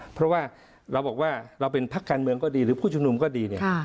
เพราะว่าเราบอกว่าเราเป็นพักการเมืองก็ดีหรือผู้ชุมนุมก็ดีเนี่ย